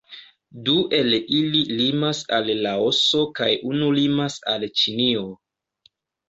Du el ili limas al Laoso kaj unu limas al Ĉinio.